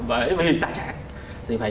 bởi vì tài sản thì vậy